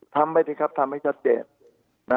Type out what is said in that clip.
ทำไปสิครับทำให้ชัดเจน